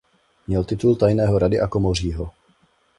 Měl titul tajného rady a komořího.